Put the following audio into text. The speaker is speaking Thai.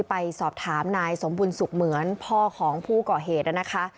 ไปสอบถามนายสมบุญสุขเหมือนพ่อของผู้ก่อเหตุนะคะ